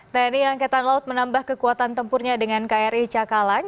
tni angkatan laut menambah kekuatan tempurnya dengan kri cakalang